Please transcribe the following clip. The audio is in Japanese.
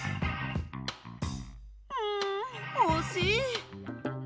うん惜しい。